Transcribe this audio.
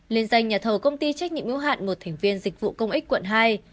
liên danh nhà thầu công ty trách nhiệm mưu hạn một thành viên dịch vụ công ích quận hai